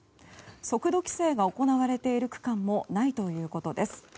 速度規制が行われている区間もないということです。